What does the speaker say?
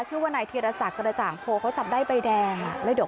ชื่อว่าไหนเทียดศักดิ์กระจ่างโพยเขาจับใดใบแดง